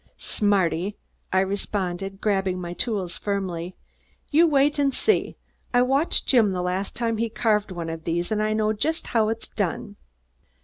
"Smarty!" I responded, grabbing my tools firmly, "you wait and see! I watched Jim the last time he carved one of these and I know just how it's done."